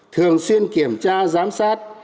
thường xuyên kiểm tra giám sát